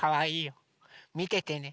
みててね。